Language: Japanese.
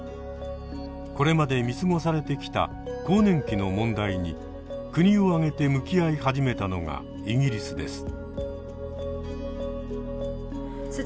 これまで見過ごされてきた更年期の問題に国を挙げて向き合い始めたのがイギリスです。